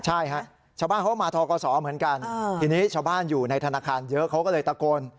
ใช่ฮะชาวบ้านเขาก็มาทกศเหมือนกันทีนี้ชาวบ้านอยู่ในธนาคารเยอะเขาก็เลยตะโกน